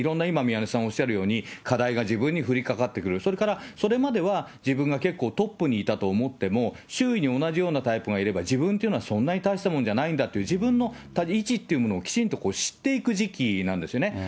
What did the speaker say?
今、宮根さん、いろいろ言われるように、課題が自分に降りかかってくる、それからそれまでは自分は一番トップだと思っていても、周囲に同じようなタイプがいれば、自分っていうのはそんなに大したもんじゃないんだという、自分の位置というものを知っていく時期なんですよね。